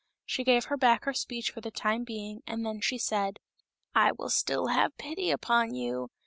She gave her back her speech for the time being, and then she said. " I will still have pity upon you.